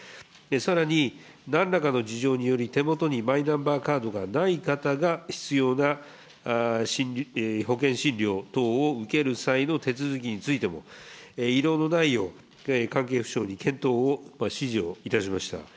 さらに、なんらかの事情により手もとにマイナンバーカードがない方が、必要な保険診療等を受ける際の手続きについても、遺漏のないよう、関係府省に検討を指示をいたしました。